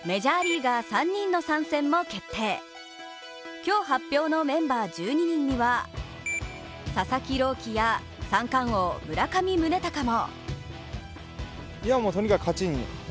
今日発表のメンバー１２人には佐々木朗希や三冠王・村上宗隆も。